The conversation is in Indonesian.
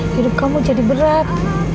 hidup kamu jadi berat